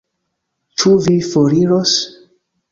Ĉu vi foriros?